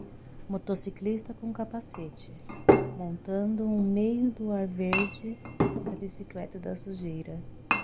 Motociclista com capacete, montando um meio do ar verde da bicicleta da sujeira.